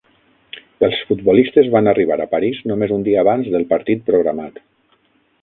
Els futbolistes van arribar a París només un dia abans del partit programat.